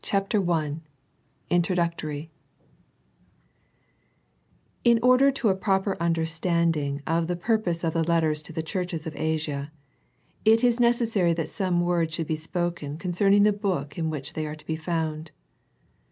185 I INTRODUCTORY T N order to a proper understanding of the purpose of the letters to the churches of Asia, it is necessary that some word should be spoken concerning the book in which they are to be found.